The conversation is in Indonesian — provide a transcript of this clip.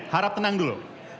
harap tenang dulu